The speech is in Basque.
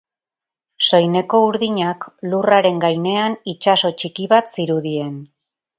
Soineko urdinak lurraren gainean itsaso txiki bat zirudien.